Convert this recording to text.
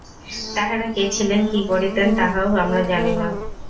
তাঁহারা কে ছিলেন, কি করিতেন, তাহাও আমরা জানি না।